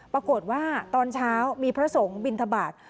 ปรากฏว่าตอนเช้ามีพระสงฆ์บินทบาท